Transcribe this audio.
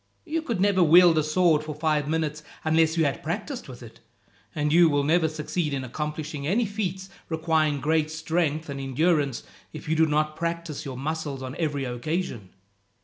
You could never wield a sword for five minutes unless you had practised with it; and you will never succeed in accomplishing any feats requiring great strength and endurance, if you do not practise your muscles on every occasion.